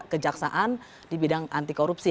jadi kita harus lihat kejaksaan di bidang anti korupsi